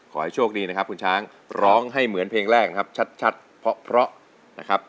ขอให้โชคดีนะครับคุณช้างร้องให้เหมือนเพลงแรกนะครับชัดเพราะนะครับ